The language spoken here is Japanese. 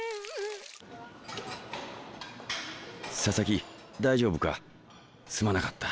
佐々木大丈夫か？